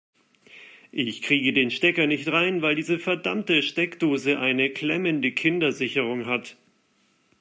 Ich kriege den Stecker nicht rein, weil diese verdammte Steckdose eine klemmende Kindersicherung hat.